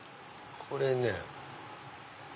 これね。